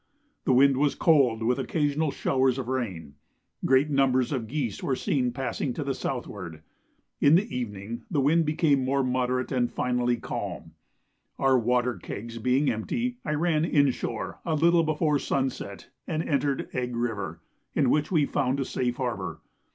The wind was cold, with occasional showers of rain. Great numbers of geese were seen passing to the southward. In the evening the wind became more moderate and finally calm. Our water kegs being empty, I ran inshore a little before sunset, and entered Egg River, in which we found a safe harbour.